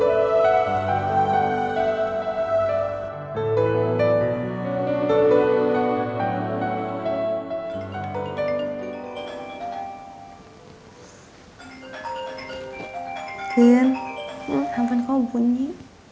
apaan kau bunyi